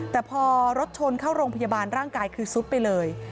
แต่พอรถชนเข้าโรงพยาบาลร่างกายคือซุดไปเลย